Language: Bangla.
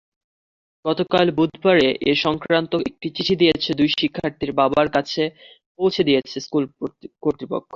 গতকাল বুধবার এ-সংক্রান্ত একটি চিঠি দুই শিক্ষার্থীর বাবার কাছে পৌঁছে দিয়েছে স্কুল কর্তৃপক্ষ।